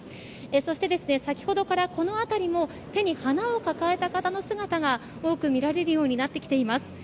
そして先ほどから、この辺りも手に花を抱えた方の姿が多く見られるようになってきています。